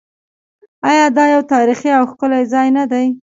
آیا دا یو تاریخي او ښکلی ځای نه دی؟